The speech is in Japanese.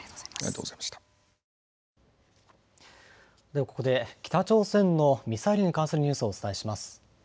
ではここで北朝鮮のミサイルに関するニュースをお伝えします。